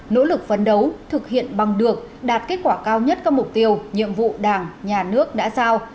nỗ lực phấn đấu thực hiện bằng được đạt kết quả cao nhất các mục tiêu nhiệm vụ đảng nhà nước đã giao